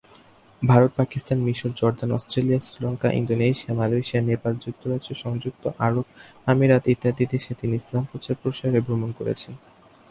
ভারত, পাকিস্তান, মিশর, Jordan, Australia, Sri Lanka, Indonesia, Malaysia, Nepal, যুক্তরাজ্য, সংযুক্ত আরব আমিরাত ইত্যাদি দেশে তিনি ইসলাম প্রচার-প্রসারে ভ্রমণ করেছেন।